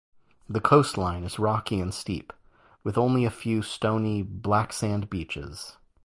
The coastline is rocky and steep with only a few stony black sand beaches.